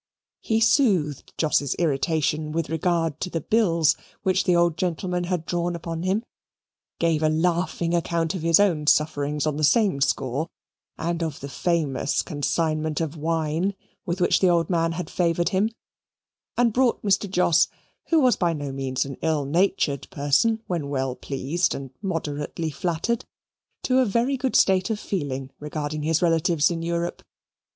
He soothed Jos's irritation with regard to the bills which the old gentleman had drawn upon him, gave a laughing account of his own sufferings on the same score and of the famous consignment of wine with which the old man had favoured him, and brought Mr. Jos, who was by no means an ill natured person when well pleased and moderately flattered, to a very good state of feeling regarding his relatives in Europe.